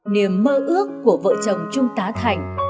niềm mơ ước của vợ chồng trung tá thành